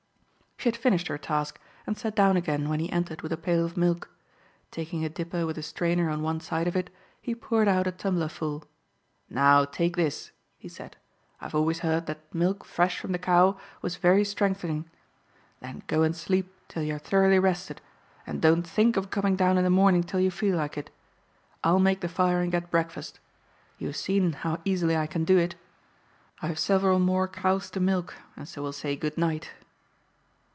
She had finished her task and sat down again when he entered with a pail of milk. Taking a dipper with a strainer on one side of it, he poured out a tumblerful. "Now, take this," he said, "I've always heard that milk fresh from the cow was very strengthening. Then go and sleep till you are thoroughly rested, and don't think of coming down in the morning till you feel like it. I'll make the fire and get breakfast. You have seen how easily I can do it. I have several more cows to milk, and so will say 'Goodnight.'"